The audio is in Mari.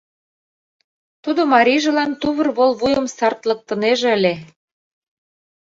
Тудо марийжылан тувыр вол вуйым сартлыктынеже ыле.